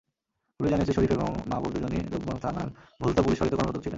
Police জানিয়েছে, শরীফ এবং মাহবুব দুজনই রূপগঞ্জ থানার ভুলতা পুলিশ ফাঁড়িতে কর্মরত ছিলেন।